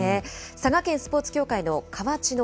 佐賀県スポーツ協会の川内野